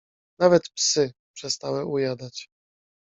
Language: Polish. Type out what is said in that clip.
"Nawet psy przestały ujadać."